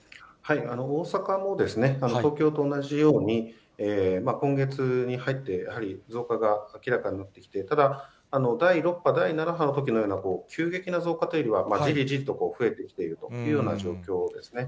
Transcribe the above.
大阪も東京と同じように、今月に入って、やはり増加が明らかになってきて、ただ、第６波、第７波のときのような急激な増加というよりは、じりじりと増えてきているというような状況ですね。